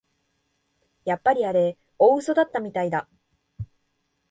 やっぱりあれ大うそだったみたいだ